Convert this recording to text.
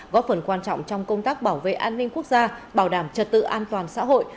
góp phần quan trọng trong công tác bảo vệ an ninh quốc gia bảo đảm trật tự an toàn xã hội